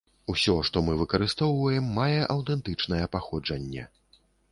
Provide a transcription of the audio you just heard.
Усё, што мы выкарыстоўваем, мае аўтэнтычнае паходжанне.